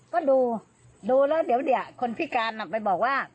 ก็ดูดูแล้วเดี๋ยวอีกหนึ่งคนภิการมาไปบอกว่า